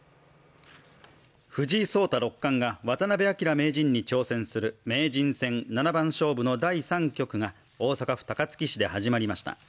藤井聡太六冠が渡辺明名人に挑戦する名人戦七番勝負の第３局が大阪府高槻市で始まりました。